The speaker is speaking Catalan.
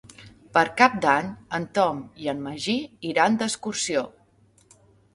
Per Cap d'Any en Tom i en Magí iran d'excursió.